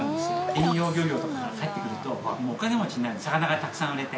遠洋漁業とかから帰ってくるともうお金持ちになる魚がたくさん売れて。